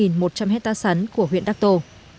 một trăm linh hectare sắn của huyện đắc tô